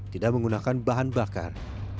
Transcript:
tidak menggunakan bahan bakar